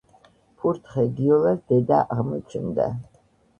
ფურთხე გიოლას დედა აღმოჩნდა